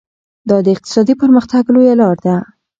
دا د اقتصادي پرمختګ لویه لار ده.